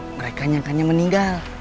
mereka nyangkanya meninggal